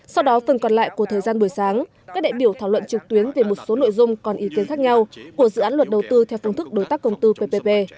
sau đó phần còn lại của thời gian buổi sáng các đại biểu thảo luận trực tuyến về một số nội dung còn ý kiến khác nhau của dự án luật đầu tư theo phương thức đối tác công tư ppp